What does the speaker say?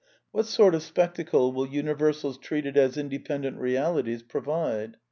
What sort of spec tacle will universals treated as independent realities pro vide?